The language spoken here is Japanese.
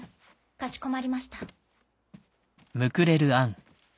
かしこまりました。